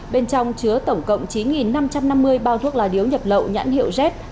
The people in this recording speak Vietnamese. bên trong chứa tổng cộng chín năm trăm năm mươi bao thuốc lá điếu nhập lậu nhãn hiệu z